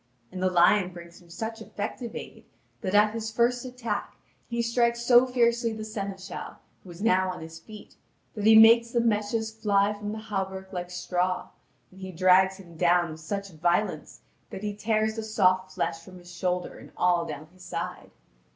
And the lion brings him such effective aid, that at his first attack, he strikes so fiercely the seneschal, who was now on his feet, that he makes the meshes fly from the hauberk like straw, and he drags him down with such violence that he tears the soft flesh from his shoulder and all down his side.